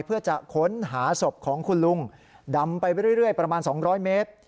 เพื่อจะค้นหาศพของคุณลุงดำไปเรื่อยประมาณ๒๐๐เมตร